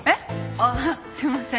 ああすいません。